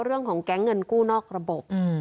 เรื่องของแก๊งเงินกู้นอกระบบ